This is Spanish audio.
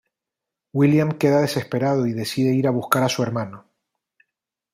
William queda desesperado y decide ir a buscar a su hermano.